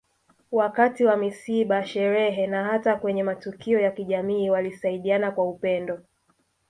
Wakati wa misiba sherehe na hata kwenye matukio ya kijamii walisaidiana kwa upendo